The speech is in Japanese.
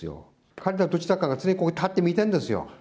彼らのどちらかが常に立って見てるんですよ。